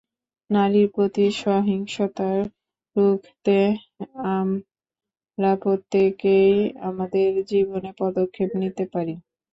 নারীর প্রতি সহিংসতা রুখতে আমরা প্রত্যেকেই আমাদের জীবনে পদক্ষেপ নিতে পারি।